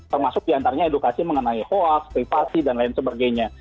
termasuk diantaranya edukasi mengenai hoax privasi dan lain sebagainya